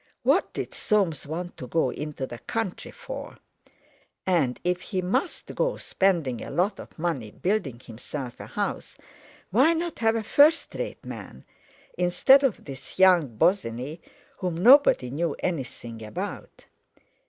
What did Soames want to go into the country for? And, if he must go spending a lot of money building himself a house, why not have a first rate man, instead of this young Bosinney, whom nobody knew anything about?